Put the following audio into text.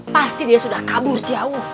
pasti dia sudah kabur jauh